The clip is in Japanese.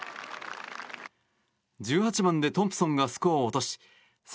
１８番でトンプソンがスコアを落とし笹